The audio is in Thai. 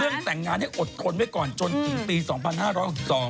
เรื่องแต่งงานให้อดทนไว้ก่อนจนถึงปี๒๕๖๒